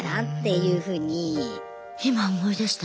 今思い出した。